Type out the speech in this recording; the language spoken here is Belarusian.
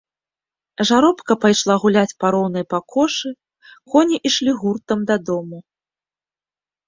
Жаробка пайшла гуляць па роўнай пакошы, коні ішлі гуртам дадому.